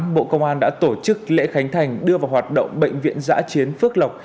bộ công an đã tổ chức lễ khánh thành đưa vào hoạt động bệnh viện giã chiến phước lộc